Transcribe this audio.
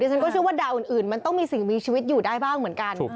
ฉันก็เชื่อว่าดาวอื่นมันต้องมีสิ่งมีชีวิตอยู่ได้บ้างเหมือนกัน